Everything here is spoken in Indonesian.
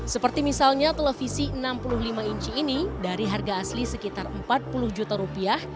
seperti misalnya televisi enam puluh lima inci ini dari harga asli sekitar empat puluh juta rupiah